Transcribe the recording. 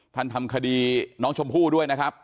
ทำคดีน้องชมพู่ด้วยนะครับ